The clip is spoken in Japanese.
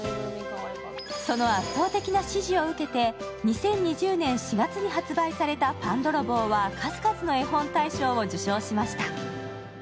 その圧倒的な支持を受けて、２０２０年４月に発売された「パンどろぼう」は数々の絵本大賞を受賞しました。